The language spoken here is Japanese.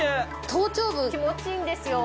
頭頂部気持ちいいんですよ。